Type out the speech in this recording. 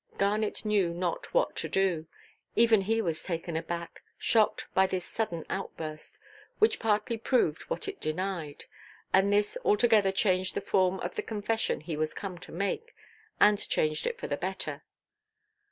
Garnet knew not what to do. Even he was taken aback, shocked by this sudden outburst, which partly proved what it denied. And this altogether changed the form of the confession he was come to make—and changed it for the better.